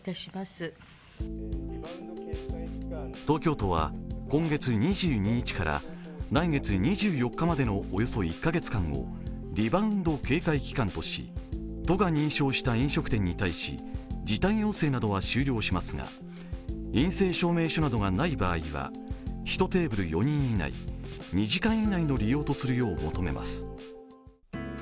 東京都は今月２２日から来月２４日までのおよそ１カ月間をリバウンド警戒期間として、都が認証した飲食店に対し時短要請などは終了しますが陰性証明書などがない場合は１テーブル４人以内、２時間以内の利用とするよう求めます。